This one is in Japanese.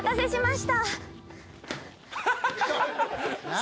何？